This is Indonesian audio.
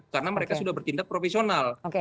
karena mereka sudah bertindak profesional